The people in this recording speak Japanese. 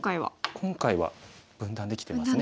今回は分断できてますね。